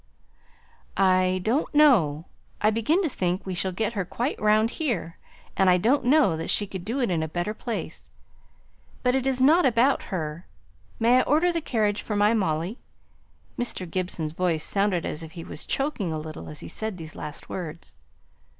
"I don't know. I begin to think we shall get her quite round here; and I don't know that she could be in a better place. But it's not about her. May I order the carriage for my Molly?" Mr. Gibson's voice sounded as if he was choking a little as he said these last words.